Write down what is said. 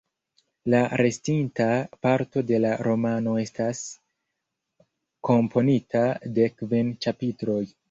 La restinta parto de la romano estas komponita de kvin ĉapitroj.